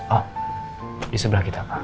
oh di sebelah kita kan